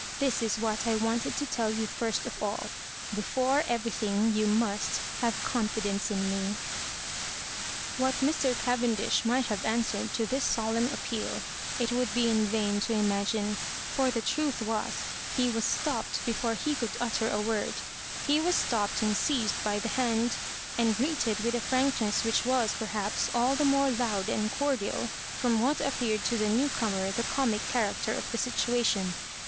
This is what I wanted to tell you first of all Before everything, you must havo confidence in me." What Mr. Cavendish might have answered to this solemn appeal it would be vain to imagine ; Digitized by VjOOQIC MISS MARJORIBANKS. 101 for the truth was, he was stopped before he could utter a word. He was stopped and seized by the hand, and greeted witb a frankness which was, perhaps, all the more loud and cordial from what appeared to the new comer the comic cha racter of the situation.